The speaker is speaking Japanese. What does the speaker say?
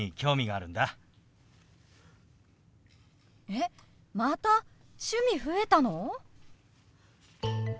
えっまた趣味増えたの！？